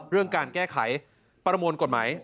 เรื่องการแก้ไขประมวลกฎหมาย